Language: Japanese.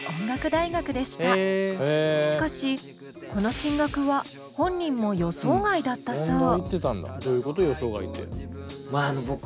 しかしこの進学は本人も予想外だったそう。